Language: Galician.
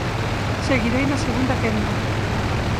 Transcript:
Seguirei na segunda quenda.